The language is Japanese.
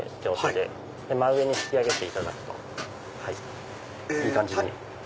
で真上に引き上げていただくといい感じに。